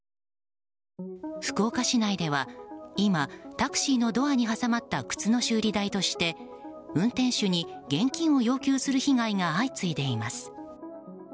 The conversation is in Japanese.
福岡市内では今タクシーのドアに挟まった靴の修理代として運転手に現金を要求する被害が相次いでいます。